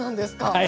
はい。